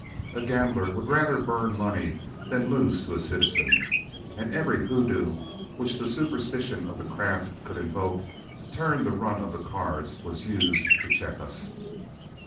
A gambler would rather burn money than lose to a citizen, and every hoodoo which the superstition of the craft could invoke to turn the run of the cards was used to check us.